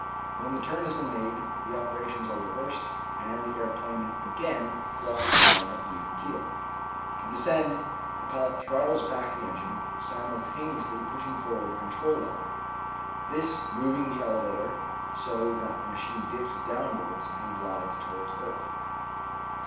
When the turn has been made, the operations are reversed and the aero plane again brought on an even keel. To descend, the pilot throttles back the engine, simultaneously pushing forward the 854 The Outline of Science control lever, this moving the elevator so that the machine dips downwards and glides towards earth.